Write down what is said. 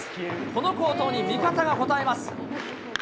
この好投に味方が応えます。